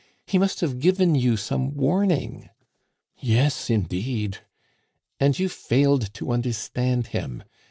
He must have given you some warning." "Yes, indeed " "And you failed to understand him!